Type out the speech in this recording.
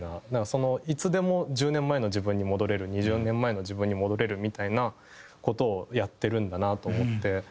そのいつでも１０年前の自分に戻れる２０年前の自分に戻れるみたいな事をやってるんだなと思って。